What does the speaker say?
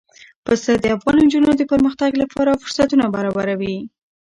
پسه د افغان نجونو د پرمختګ لپاره فرصتونه برابروي.